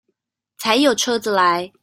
才有車子來